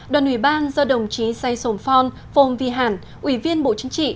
đoàn ủy ban do đồng chí say sổn phong phong vi hẳn ủy viên bộ chính trị